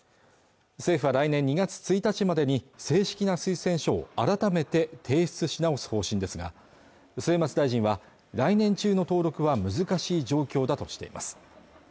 政府は来年２月１日までに正式な推薦書を改めて提出し直す方針ですが末松大臣は来年中の登録は難しい状況だとしています